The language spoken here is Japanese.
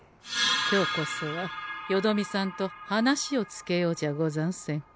今日こそはよどみさんと話をつけようじゃござんせんか。